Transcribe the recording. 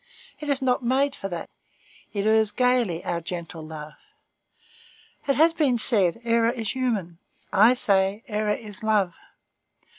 It is not made for that; it errs gayly, our gentle love. It has been said, error is human; I say, error is love.